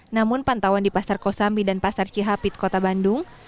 namun pantauan di pasar kosambi dan pasar cihapit kota bandung